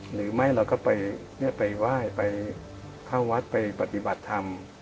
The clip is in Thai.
หรือไม่เราก็ไปไหว้ไปเข้าวัดไปปฏิบัติธรรม